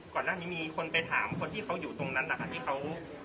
ก่อนหน้านี้มีคนไปถามคนที่เขาอยู่ตรงนั้นนะคะที่เขา